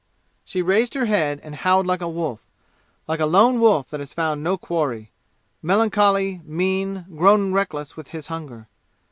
She raised her head and howled like a wolf like a lone wolf that has found no quarry melancholy, mean, grown reckless with his hunger.